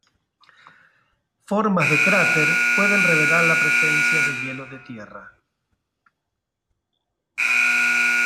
Formas de cráter pueden revelar la presencia de hielo de tierra.